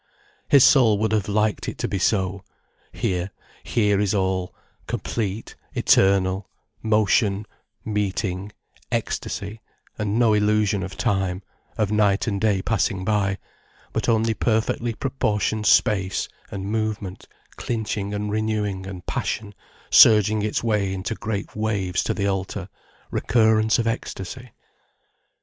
His soul would have liked it to be so: here, here is all, complete, eternal: motion, meeting, ecstasy, and no illusion of time, of night and day passing by, but only perfectly proportioned space and movement clinching and renewing, and passion surging its way into great waves to the altar, recurrence of ecstasy.